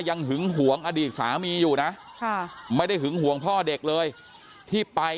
หึงหวงอดีตสามีอยู่นะไม่ได้หึงห่วงพ่อเด็กเลยที่ไป